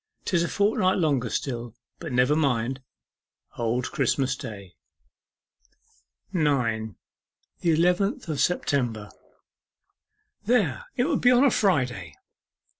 ''Tis a fortnight longer still; but never mind. Old Christmas Day.' 9. THE ELEVENTH OF SEPTEMBER 'There. It will be on a Friday!